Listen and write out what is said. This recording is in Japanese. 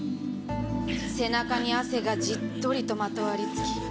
「背中に汗がじっとりとまとわりつき」